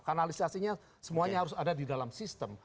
kanalisasinya semuanya harus ada di dalam sistem